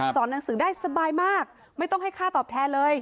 หนังสือได้สบายมากไม่ต้องให้ค่าตอบแทนเลย